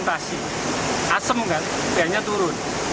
asam kan biarnya turun